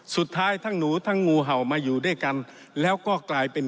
สุดท้ายทั้งหนูทั้งงูเห่ามาอยู่ด้วยกันแล้วก็กลายเป็น